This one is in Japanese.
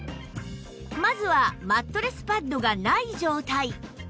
まずはマットレスパッドがない状態